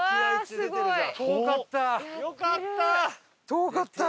遠かった。